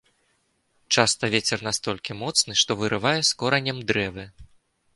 Часта вецер настолькі моцны, што вырывае з коранем дрэвы.